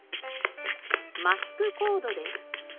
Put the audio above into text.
マスクコードです。